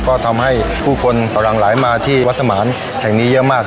ก็ทำให้ผู้คนพลังหลายมาที่วัฒนธรรมนิย์เยอะมาก